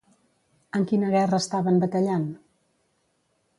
En quina guerra estaven batallant?